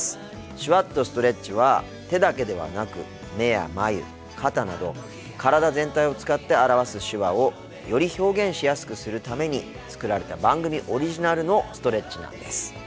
「手話っとストレッチ」は手だけではなく目や眉肩など体全体を使って表す手話をより表現しやすくするために作られた番組オリジナルのストレッチなんです。